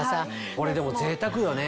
これでもぜいたくよね